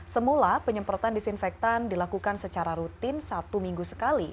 semula penyemprotan disinfektan dilakukan secara rutin satu minggu sekali